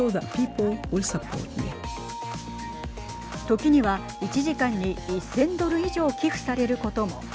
時には１時間に１０００ドル以上寄付されることも。